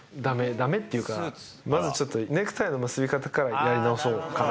だめっていうか、まずちょっとネクタイの結び方からやり直そうかな。